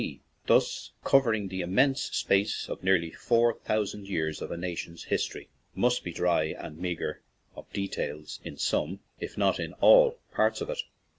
D., thus covering the immense space of nearly four thousand years of a na tion's history, must be dry and meagre of details in some, if not in all, parts of it.